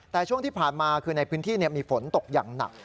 แต่ช่วงที่ผ่านมาคือในพื้นที่มีฝนตกอย่างหนัก